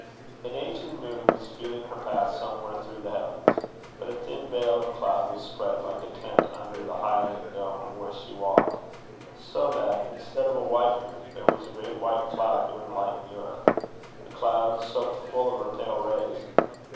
An aging moon was feeling her path somewhere through the heavens; but a thin veil of cloud was spread like a tent under the hyaline dome where she walked; so that, instead of a white moon, there was a great white cloud to enlighten the earth, a cloud soaked full of her pale rays.